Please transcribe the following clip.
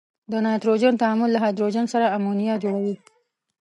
د نایتروجن تعامل له هایدروجن سره امونیا جوړوي.